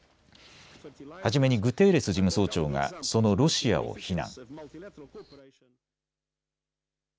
初めにグテーレス事務総長がそのロシアを非難。